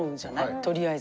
とりあえず。